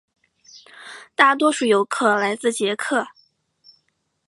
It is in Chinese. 大多数游客来自捷克。